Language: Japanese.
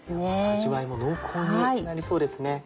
味わいも濃厚になりそうですね。